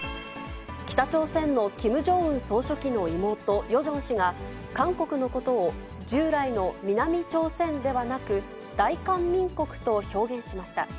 北朝鮮のキム・ジョンウン総書記の妹、ヨジョン氏が、韓国のことを従来の南朝鮮ではなく、大韓民国と表現しました。